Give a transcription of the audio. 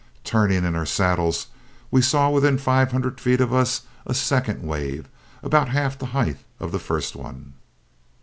Turning in our saddles, we saw within five hundred feet of us a second wave about half the height of the first one.